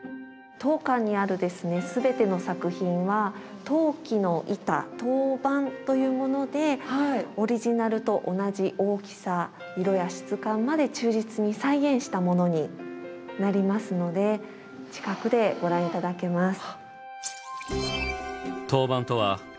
当館にある全ての作品は陶器の板陶板というものでオリジナルと同じ大きさ色や質感まで忠実に再現したものになりますので近くでご覧頂けます。